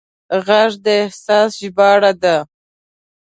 غږ د احساس ژباړه ده